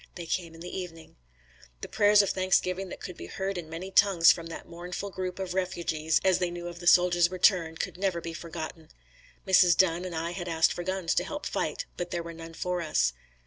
They came in the evening. The prayers of thanksgiving that could be heard in many tongues from that mournful group of refugees, as they knew of the soldiers return, could never be forgotten. Mrs. Dunn and I had asked for guns to help fight, but there were none for us.